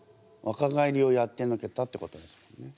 わか返りをやってのけたってことですもんね。